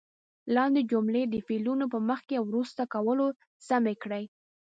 لاندې جملې د فعلونو په مخکې او وروسته کولو سمې کړئ.